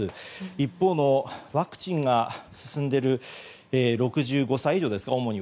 一方のワクチンが進んでいる６５歳以上ですか、主に。